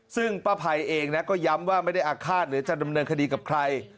ซึ่งป้าภัยเองนะก็ย้ำว่าไม่ได้อาฆาตหรือจะดำเนินคดีกับใคร